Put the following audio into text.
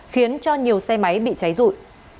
khiến cho nhiều xe máy bị cháy rụi